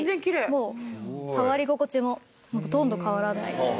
もう触り心地もほとんど変わらないです。